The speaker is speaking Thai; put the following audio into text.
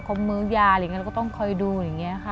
มื้อยาอะไรอย่างนี้เราก็ต้องคอยดูอย่างนี้ค่ะ